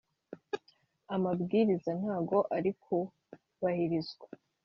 amabwiriza ntago arikubahirizwa.